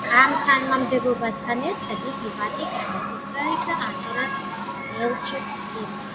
ამ თანამდებობასთან ერთად, იგი ვატიკანის, ისრაელის და ანდორას ელჩიც იყო.